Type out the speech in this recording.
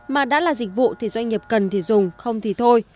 mà đã là dịch vụ thì doanh nghiệp cần thì dùng không thì thôi